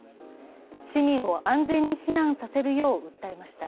市民を安全に避難させるよう訴えました。